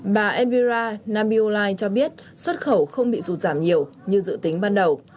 bà elvira nambiolai cho biết xuất khẩu không bị sụt giảm nhiều như dự tính ban đầu